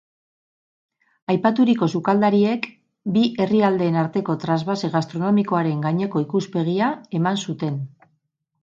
Aipaturiko sukaldariek bi herrialdeen arteko trasbase gastronomikoaren gaineko ikuspegia eman zuten.